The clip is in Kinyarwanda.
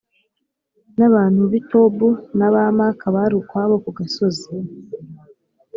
n’abantu b’i Tobu n’aba Māka bari ukwabo ku gasozi.